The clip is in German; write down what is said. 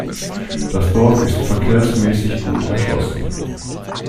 Das Dorf ist verkehrsmässig gut erschlossen.